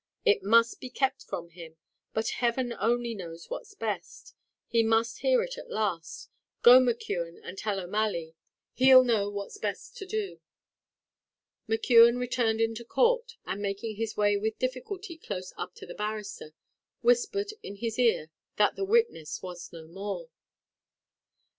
It must be kept from him. But heaven only knows what's best; he must hear it at last. Go, McKeon, and tell O'Malley; he'll know what's best to do." McKeon returned into court, and making his way with difficulty close up to the barrister, whispered in his ear that his witness was no more.